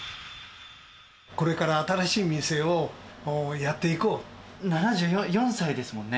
これから新しい店をやってい７４歳ですもんね？